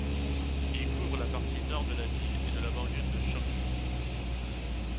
Il couvre la partie nord de la ville et de la banlieue de Changchun.